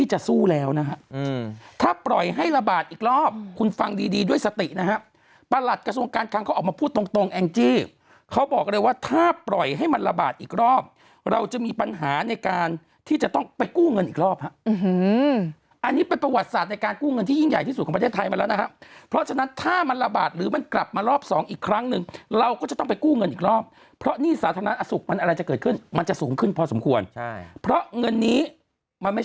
จะสู้แล้วนะครับถ้าปล่อยให้ระบาดอีกรอบคุณฟังดีด้วยสตินะครับประหลัดกระทรวงการคลังเขาออกมาพูดตรงแองจิเขาบอกเลยว่าถ้าปล่อยให้มันระบาดอีกรอบเราจะมีปัญหาในการที่จะต้องไปกู้เงินอีกรอบอันนี้เป็นประวัติศาสตร์ในการกู้เงินที่ยิ่งใหญ่ที่สุดของประเทศไทยมาแล้วนะครับเพราะฉะนั้นถ้าม